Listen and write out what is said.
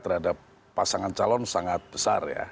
terhadap pasangan calon sangat besar ya